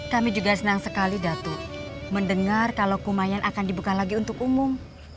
kami juga senang sekali datu mendengar kalau kumayan akan dibuka lagi untuk umum